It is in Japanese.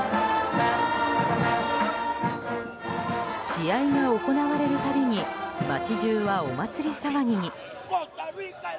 試合が行われる度に街中はお祭り騒ぎに。